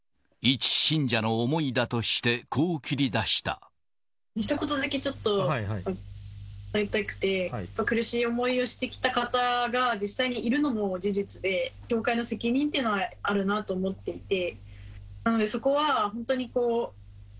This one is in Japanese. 一信者の思いだとして、ひと言だけ、ちょっと伝えたくて、苦しい思いをしてきた方が実際にいるのも事実で、教会の責任というのはあるなと思っていて、